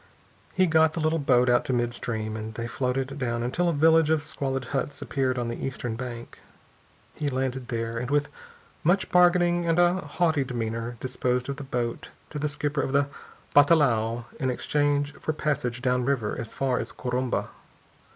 He got the little boat out to mid stream, and they floated down until a village of squalid huts appeared on the eastern bank. He landed, there, and with much bargaining and a haughty demeanor disposed of the boat to the skipper of a batelao in exchange for passage down river as far as Corumba.